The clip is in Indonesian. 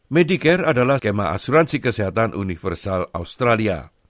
medicare adalah skema asuransi kesehatan universal australia